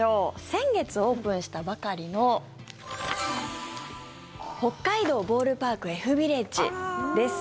先月オープンしたばかりの北海道ボールパークＦビレッジです。